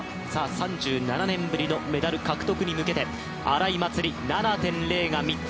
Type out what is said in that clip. ３７年ぶりのメダル獲得に向けて荒井祭里、７．０が３つ。